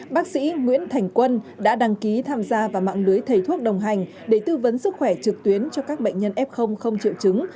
bác sĩ nguyễn thành quân đã đăng ký tham gia vào mạng lưới thầy thuốc đồng hành để tư vấn sức khỏe trực tuyến cho các bệnh nhân f không triệu chứng